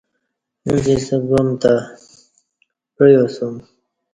اُݩڅ ییݩستہ گعام تہ پعیاسُوم